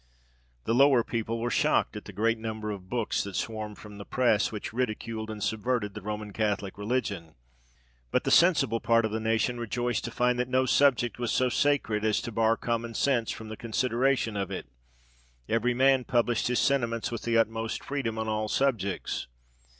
The lower people were shocked at the great number of books that swarmed from the press, which ridiculed and subverted the Roman Catholic religion ; but the sensible part of the nation rejoiced to find that no subject was so sacred as to bar common sense from the consideration of it : every man published his senti ments with the utmost freedom on all subjects.